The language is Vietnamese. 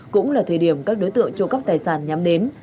cũng là thời điểm các đối tượng trộm cắp tài sản nhắm đến